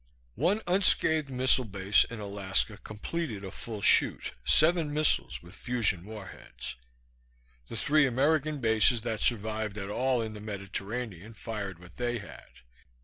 One unscathed missile base in Alaska completed a full shoot, seven missiles with fusion war heads. The three American bases that survived at all in the Mediterranean fired what they had.